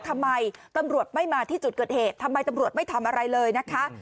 ทำไมตำรวจไม่มาที่จุดเกิดเหตุทำไมตำรวจไม่ทำอะไรเลยนะคะ